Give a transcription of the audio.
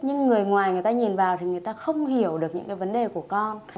nhưng người ngoài người ta nhìn vào thì người ta không hiểu được những cái vấn đề của con